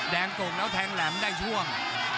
แดงโกกแล้วแทงแหลมได้ช่วง